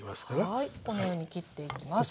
はいこのように切っていきます。